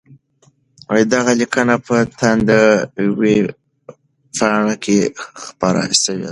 دغه لیکنه په تاند ویبپاڼه کي خپره سوې ده.